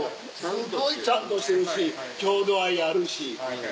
すごいちゃんとしてるし郷土愛あるし。